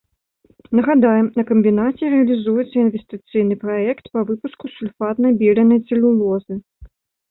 Нагадаем, на камбінаце рэалізуецца інвестыцыйны праект па выпуску сульфатнай беленай цэлюлозы.